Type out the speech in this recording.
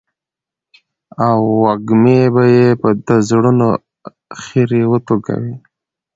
او وږمې به يې د زړونو خيري وتوږي.